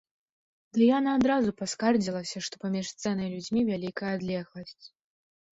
Дыяна адразу паскардзілася, што паміж сцэнай і людзьмі вялікая адлегласць.